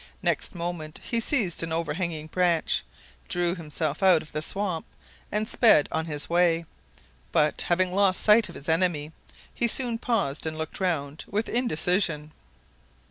Next moment he seized an overhanging branch, drew himself out of the swamp, and sped on his way; but, having lost sight of his enemy, he soon paused and looked round with indecision.